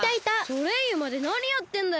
ソレイユまでなにやってんだよ？